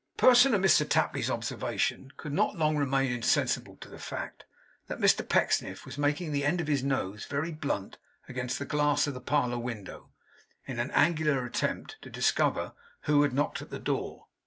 A person of Mr Tapley's observation could not long remain insensible to the fact that Mr Pecksniff was making the end of his nose very blunt against the glass of the parlour window, in an angular attempt to discover who had knocked at the door.